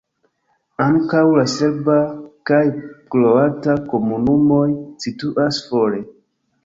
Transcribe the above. Ankaŭ la serba kaj kroata komunumoj situas fore.